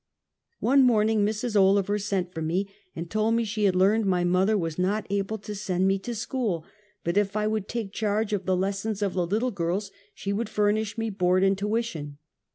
One morning, Mrs. Olever sent for me, and told me she had learned my mother was not able to send me to school, but if I would take charge of the lessons of the little girls, she would furnish me board and tuition.